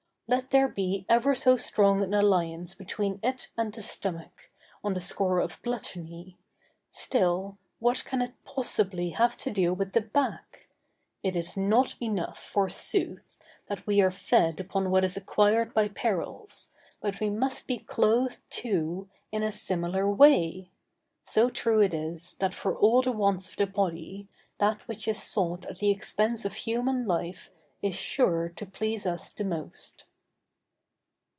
Let there be ever so strong an alliance between it and the stomach, on the score of gluttony, still, what can it possibly have to do with the back? It is not enough, forsooth, that we are fed upon what is acquired by perils, but we must be clothed, too, in a similar way; so true it is, that for all the wants of the body, that which is sought at the expense of human life is sure to please us the most.